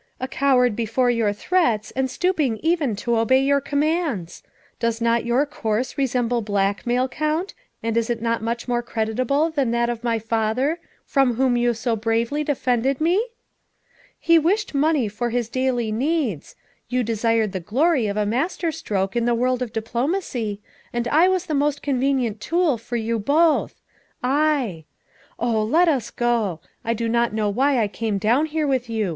A coward before your threats and stooping even to obey your commands. Does not your course resemble blackmail, Count, and is it much more creditable than that of my father, from whom you so bravely defended me? He wished money for his daily needs ; you desired the glory of a masterstroke in the world of diplomacy, and I was the most convenient tool for you both I. Oh, let us go. I do not know why I came down here with you.